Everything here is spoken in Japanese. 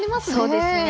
そうですね。